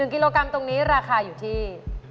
๑กิโลกรัมตรงนี้ราคาอยู่ที่